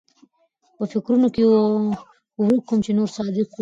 پۀ فکرونو کښې ورک ووم چې نورصادق وويل